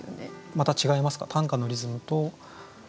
また違いますか？